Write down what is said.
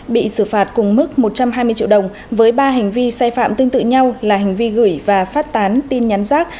bị xử phạt cùng mức một trăm hai mươi triệu đồng với ba hành vi sai phạm tương tự nhau là hành vi gửi và phát tán tin nhắn rác